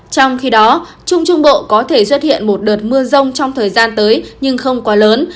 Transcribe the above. trong khi đó trung trung bộ có thể xuất hiện một đợt mưa rông trong thời gian tới nhưng không quá lớn